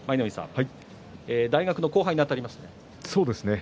大学の後輩にあたりますね。